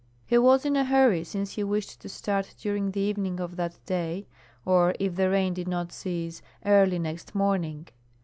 He was in a hurry, since he wished to start during the evening of that day, or if the rain did not cease, early next morning.